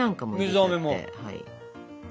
水あめも。